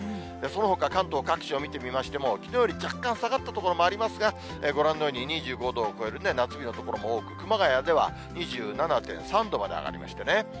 そのほか、関東各地を見てみましても、きのうより若干下がった所もありますが、ご覧のように２５度を超える夏日の所も多く、熊谷では２７．３度まで上がりましてね。